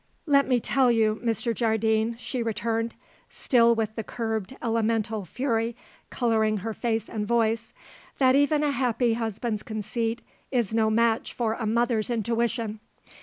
"Let me tell you, Mr. Jardine," she returned, still with the curbed elemental fury colouring her face and voice, "that even a happy husband's conceit is no match for a mother's intuition.